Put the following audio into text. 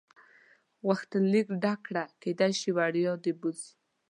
غوښتنلیک ډک کړه کېدای شي وړیا دې بوځي.